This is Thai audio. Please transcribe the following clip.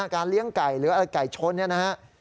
การเลี้ยงไก่หรืออะไรไก่ชนเนี่ยนะฮะ